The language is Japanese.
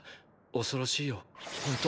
恐ろしいよ本当。